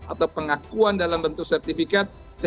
atau pengakuan dalam bentuk sertifikat